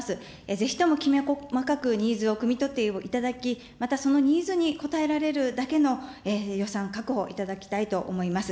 ぜひともきめ細かくニーズをくみ取っていただき、またそのニーズに応えられるだけの予算確保いただきたいと思います。